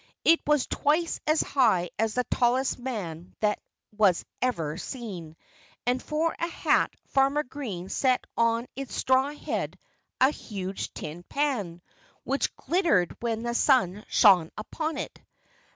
It was twice as high as the tallest man that was ever seen. And for a hat Farmer Green set on its straw head a huge tin pan, which glittered when the sun shone upon it.